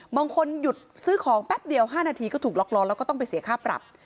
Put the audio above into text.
บางคนหยุดซื้อของแป๊บเดียว๕นาทีก็ถูกล็อกล้อแล้วก็ต้องไปเสียค่าปรับ